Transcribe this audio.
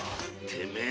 てめえ！